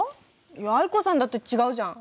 藍子さんだって違うじゃん。